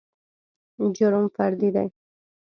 جرم فردي دى.